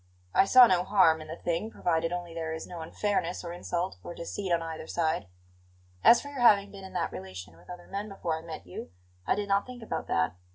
I saw no harm in the thing, provided only there is no unfairness or insult or deceit on either side. As for your having been in that relation with other men before I met you, I did not think about that.